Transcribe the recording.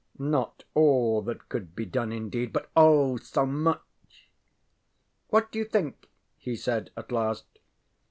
Not all that could be done indeed; but, oh so much! ŌĆ£What do you think? ŌĆØ he said, at last.